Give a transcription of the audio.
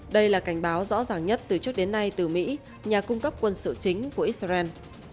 đây là cảnh báo rõ ràng nhất từ trước đến nay từ mỹ nhà cung cấp quân sự chính của israel